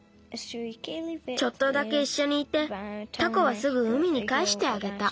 ちょっとだけいっしょにいてタコはすぐ海にかえしてあげた。